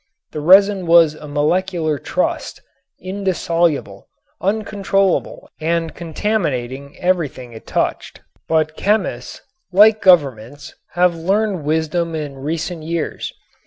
The resin was a molecular trust, indissoluble, uncontrollable and contaminating everything it touched. But chemists like governments have learned wisdom in recent years.